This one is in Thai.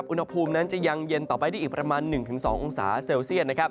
อุณหภูมินั้นจะยังเย็นต่อไปได้อีกประมาณ๑๒องศาเซลเซียต